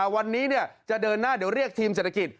วันนี้จะเดินหน้าเดี๋ยวเรียกทีมเศรษฐกิจ